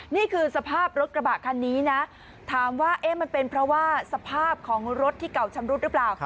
นี่คือสภาพรถกระบะคันนี้นะถามว่ามันเป็นเพราะว่าสภาพของรถที่เก่าชำรุดหรือเปล่า